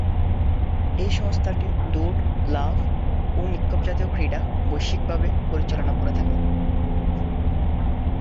এ সংস্থাটি দৌঁড়, লাফ ও নিক্ষেপজাতীয় ক্রীড়া বৈশ্বিকভাবে পরিচালনা করে থাকে।